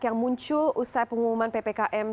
yang muncul usai pengumuman ppkm